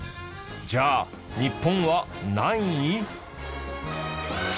じゃあ日本は何位？